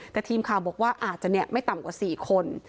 แต่ทีมข่าวบอกว่าอาจจะไม่ต่ำกว่า๔คน